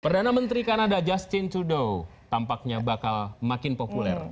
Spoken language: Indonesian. perdana menteri kanada justin trudeau tampaknya bakal makin populer